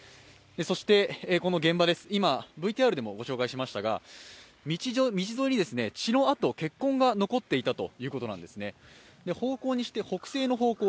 この現場、今、ＶＴＲでもご紹介しましたが道沿いに血痕が残っていたということなんですね。